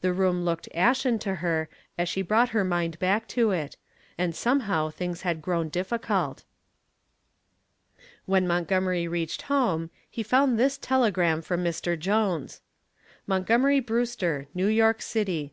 The room looked ashen to her as she brought her mind back to it, and somehow things had grown difficult. When Montgomery reached home he found this telegram from Mr. Jones: MONTGOMERY BREWSTER, New York City.